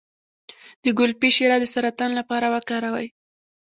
د ګلپي شیره د سرطان لپاره وکاروئ